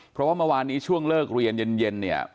เพราะว่าเมื่อวานนี้ช่วงเลิกเรียนเย็นเนี่ย